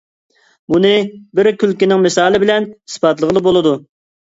بۇنى بىر كۈلكىنىڭ مىسال بىلەن ئىسپاتلىغىلى بولىدۇ.